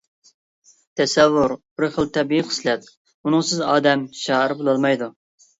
تەسەۋۋۇر بىر خىل تەبىئىي خىسلەت، ئۇنىڭسىز ئادەم شائىر بولالمايدۇ.